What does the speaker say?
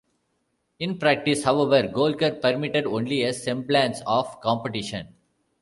In practice, however, Golkar permitted only a semblance of competition.